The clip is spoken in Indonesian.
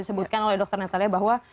disebutkan oleh dokter natalia bahwa